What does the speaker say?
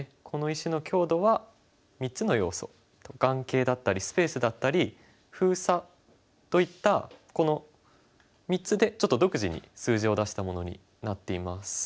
この石の強度は３つの要素眼形だったりスペースだったり封鎖といったこの３つでちょっと独自に数字を出したものになっています。